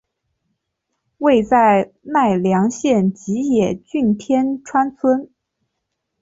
位在奈良县吉野郡天川村。